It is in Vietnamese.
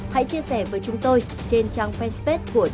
hãy chia sẻ với chúng tôi trên trang facebook của truyền hình công an nhân dân